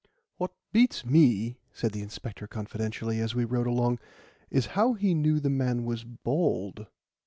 "What beats me," said the inspector confidentially, as we rode along, "is how he knew the man was bald.